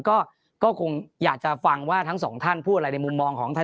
ก็ก็คงอยากจะว่าทั้งสองท่านพูดอะไรในมุมมองของ